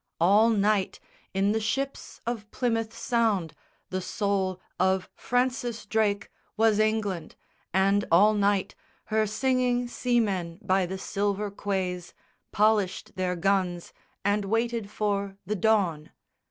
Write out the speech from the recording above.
All night, in the ships of Plymouth Sound, the soul Of Francis Drake was England, and all night Her singing seamen by the silver quays Polished their guns and waited for the dawn.